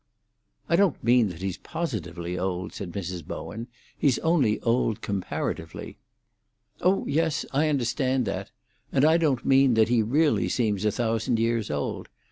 "I don't mean that he's positively old," said Mrs. Bowen. "He's only old comparatively." "Oh yes; I understand that. And I don't mean that he really seems a thousand years old.